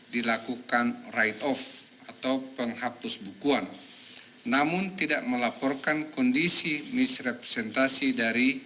dilakukan right off atau penghapus bukuan namun tidak melaporkan kondisi misrepresentasi dari